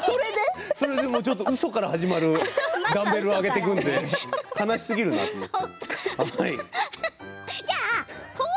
うそから始まってダンベルを上げていくんで悲しすぎるなと思って。